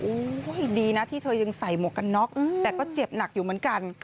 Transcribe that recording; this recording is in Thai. ดีนะที่เธอยังใส่หมวกกันน็อกแต่ก็เจ็บหนักอยู่เหมือนกัน